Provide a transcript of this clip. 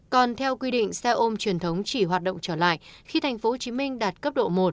còn theo quy định xe ôm truyền thống chỉ hoạt động trở lại khi tp hcm đạt cấp độ một